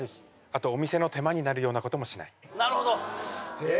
あとお店の手間になるようなこともしないへえ